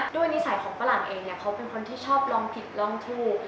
นิสัยของฝรั่งเองเขาเป็นคนที่ชอบร้องผิดร้องถูก